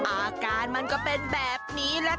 อาการมันก็เป็นแบบนี้ล่ะจ้า